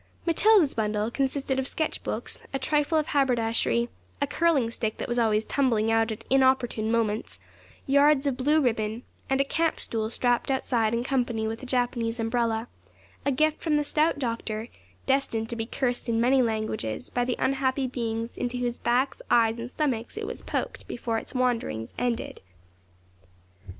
Matilda's bundle consisted of sketch books, a trifle of haberdashery, a curling stick that was always tumbling out at inopportune moments, yards of blue ribbon, and a camp stool strapped outside in company with a Japanese umbrella, a gift from the stout doctor, destined to be cursed in many languages by the unhappy beings into whose backs, eyes, and stomachs it was poked before its wanderings ended.